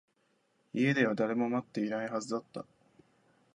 家では誰も待っていないはずだった